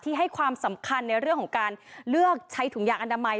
ให้ความสำคัญในเรื่องของการเลือกใช้ถุงยางอนามัย